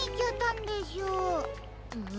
ん。